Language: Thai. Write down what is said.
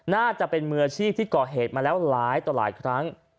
น่าจะเป็นมืออาชีพที่ก่อเหตุมาแล้วหลายต่อหลายครั้ง